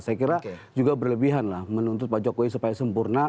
saya kira juga berlebihan lah menuntut pak jokowi supaya sempurna